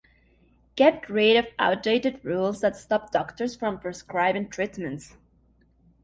Get rid of outdated rules that stop doctors from prescribing treatments.